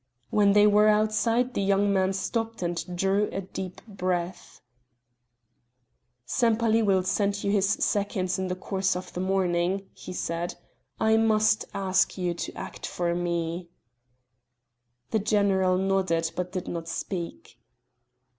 When they were outside the younger man stopped and drew a deep breath: "Sempaly will send you his seconds in the course of the morning," he said; "I must ask you to act for me." The general nodded but did not speak.